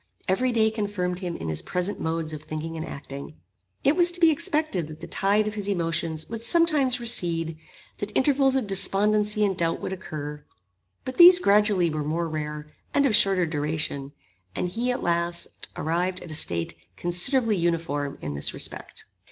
Every day confirmed him in his present modes of thinking and acting. It was to be expected that the tide of his emotions would sometimes recede, that intervals of despondency and doubt would occur; but these gradually were more rare, and of shorter duration; and he, at last, arrived at a state considerably uniform in this respect.